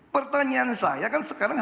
pertanyaan saya kan sekarang